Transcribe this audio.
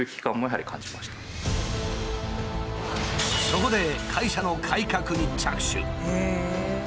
そこで会社の改革に着手。